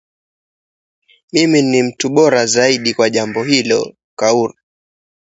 I'm a better man for it, Kaur.